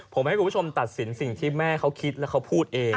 ผมให้คุณผู้ชมตัดสินสิ่งที่แม่เขาคิดแล้วเขาพูดเอง